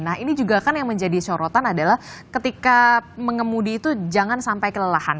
nah ini juga kan yang menjadi sorotan adalah ketika mengemudi itu jangan sampai kelelahan